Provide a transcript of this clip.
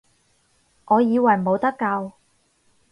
我以為冇得救